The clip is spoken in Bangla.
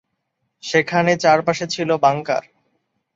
সেখানে চারপাশে ছিল বাংকার।